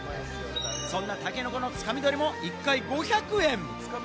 そんなタケノコの掴み取りも１回５００円。